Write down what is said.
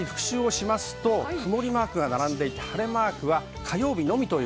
曇りマークが並んでいて晴れマークは火曜日のみ。